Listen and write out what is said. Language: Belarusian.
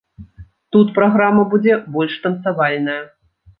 Тут праграма будзе больш танцавальная.